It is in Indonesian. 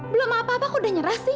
belum apa apa kok udah nyerah sih